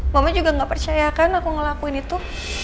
mama juga nggak percaya kan aku ngelakuin itu